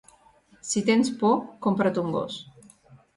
Si tens por, compra't un gos.